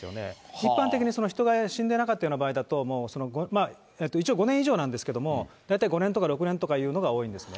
一般的に人が死んでなかったような場合だと、一応、５年以上なんですけれども、大体５年とか６年とかいうのが多いんですね。